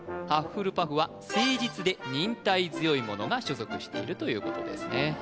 ハッフルパフは誠実で忍耐強い者が所属しているということですね